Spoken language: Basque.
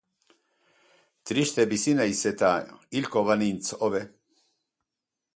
Triste bizi naiz eta, hilko banintz hobe.